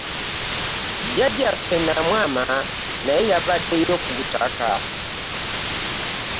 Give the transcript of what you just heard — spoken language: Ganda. Jjajjaffe Namwama naye yabaddeyo ku butaka.